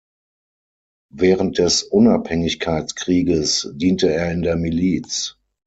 Während des Unabhängigkeitskrieges diente er in der Miliz.